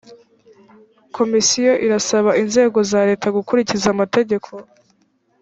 komisiyo irasaba inzego za leta gukurikiza mategeko .